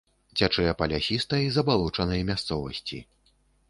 Цячэ па лясістай забалочанай мясцовасці.